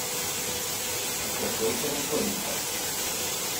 Akkor szó szerint hogy mondta?